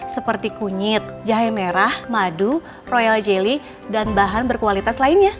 seperti kunyit jahe merah madu royal jelly dan bahan berkualitas lainnya